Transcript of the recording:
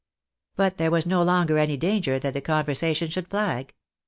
But there was no longer any danger that the conversation should flag.